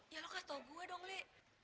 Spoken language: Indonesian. ya lo kasih tau gue dong li